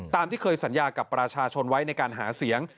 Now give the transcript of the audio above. ที่เคยสัญญากับประชาชนไว้ในการหาเสียง